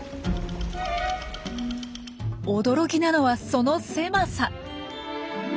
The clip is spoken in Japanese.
驚きなのはその狭さ。